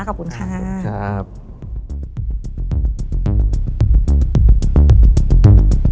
ขอบคุณค่ะ